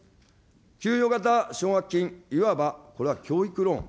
給与型奨学金、いわばこれは教育ローン。